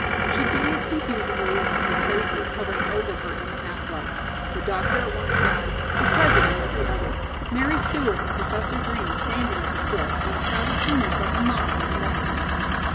She gazed confusedly at the faces hovering over her in the half light; the doctor at one side, the President at the other; Mary Stewart and Professor Green standing at the foot and a crowd of seniors like a mob in the background.